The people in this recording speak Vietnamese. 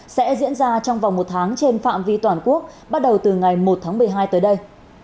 sẽ diễn ra trong vòng một tháng trên phạm vi toàn quốc bắt đầu từ ngày một tháng một mươi hai tới đây